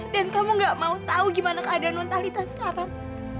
dan kamu gak mau tahu gimana keadaan nontalita sekarang